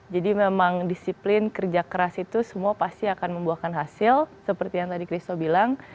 jadi memang disiplin kerja keras itu semua pasti akan membuahkan hasil seperti yang tadi christo bilang